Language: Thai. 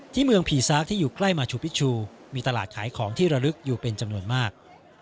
เมืองผีซากที่อยู่ใกล้มาชูพิชชูมีตลาดขายของที่ระลึกอยู่เป็นจำนวนมาก